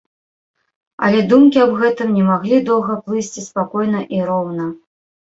Але думкі аб гэтым не маглі доўга плысці спакойна і роўна.